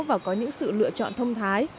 và có những sự lựa chọn thông thái